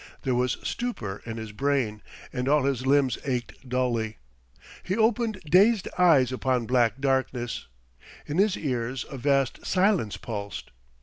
There was stupor in his brain, and all his limbs ached dully. He opened dazed eyes upon blank darkness. In his ears a vast silence pulsed.